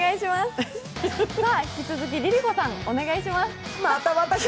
引き続きＬｉＬｉＣｏさん、お願いします。